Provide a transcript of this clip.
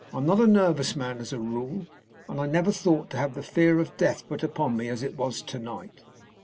I'm not a nervous man as a rule, and I never thought to have the fear of death put upon me as it was to night."